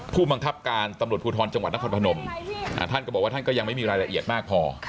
ผู้บังคับการตำรวจภูทรจังหวัดนครพนมท่านก็บอกว่าท่านก็ยังไม่มีรายละเอียดมากพอ